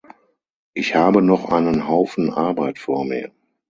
Ich habe noch einen Haufen Arbeit vor mir.